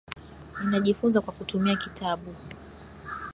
Ninajifunza kwa kutumia kitabu.